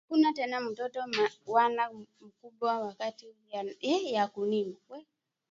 Akuna tena mutoto wala mukubwa wakati yaku rima